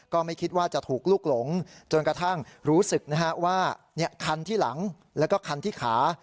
ก็ไม่คิดว่าจะถูกลูกหลงจนกระทั่งรู้สึกว่าคันที่หลังแล้วก็คันที่ขา